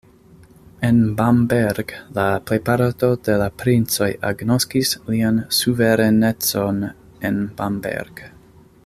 En Bamberg la plejparto de la princoj agnoskis lian suverenecon en Bamberg.